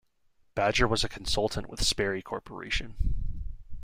Badger was a consultant with Sperry Corporation.